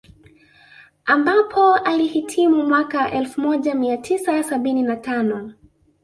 Ambapo alihitimu mwaka elfu moja mia tisa sabini na tano